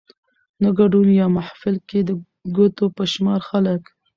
نه ګدون يا محفل کې د ګوتو په شمار خلک